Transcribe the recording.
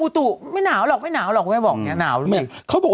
แต่พอมาแล้วก็ตก